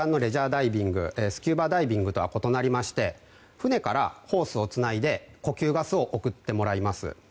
ダイビングスキューバダイビングとは異なりまして船から呼吸器をつないで呼吸ガスを送ってもらいます。